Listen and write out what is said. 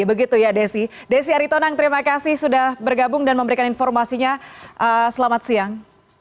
begitu ya desi desi aritonang terima kasih sudah bergabung dan memberikan informasinya selamat siang